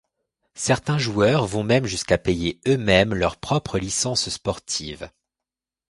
Certains joueurs vont même jusqu'à payer eux-mêmes leurs propre licences sportives.